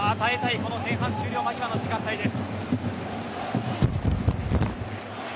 この前半終了間際の時間帯です。